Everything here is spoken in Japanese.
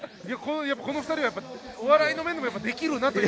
この２人はお笑いの面でもできるなと。